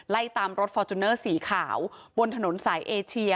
ไล่ตามรถฟอร์จูเนอร์สีขาวบนถนนสายเอเชีย